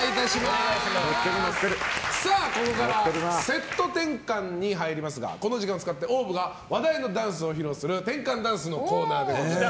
ここからセット転換に入りますがこの時間を使ってＯＷＶが話題のダンスを披露する転換ダンスのコーナーです。